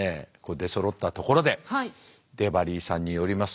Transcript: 出そろったところでデバリーさんによります